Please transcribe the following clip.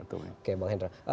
oke bang hendra